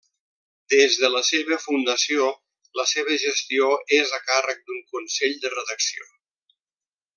Des de la seva fundació, la seva gestió és a càrrec d’un consell de redacció.